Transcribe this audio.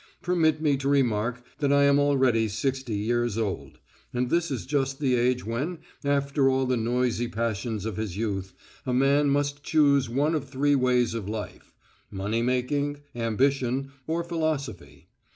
Permit me to remark that I am already sixty years old. And this is just the age when, after all the noisy passions of his youth, a man must choose one of three ways of life: money making, ambition, or philosophy.